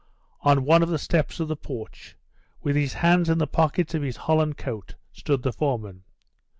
On one of the steps of the porch, with his hands in the pockets of his holland coat, stood the foreman.